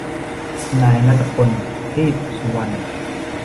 นายณัฏฐพล ทีปสุวรรณ